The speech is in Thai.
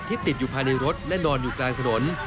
ติดอยู่ภายในรถและนอนอยู่กลางถนน